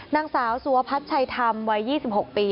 นางสาวสุวพัฒน์ชัยธรรมวัย๒๖ปี